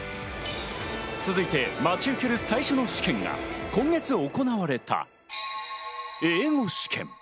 続いて待ち受ける最初の試験が今月行われた英語試験。